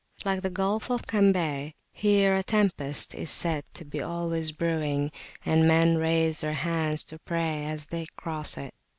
Like the Gulf of Cambay, here a tempest is said to be always brewing, and men raise their hands to pray as they cross it.